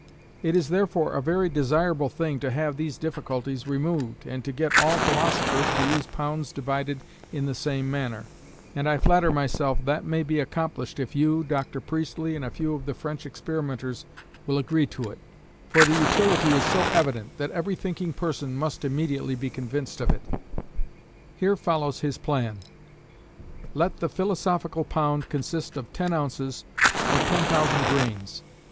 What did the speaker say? It is therefore a very desirable thing to have these difficulties removed, and to get all philosophers to use pounds divided in the same manner, and I flatter myself that may be accomplished if you, Dr. Priestley, and a few of the French experimenters will agree to it; for the utility is so evident, that every thinking person must immediately be convinced of it. Here follows his plan: Let the Philosophical pound consist of 10 ounces, or 10,000 grains.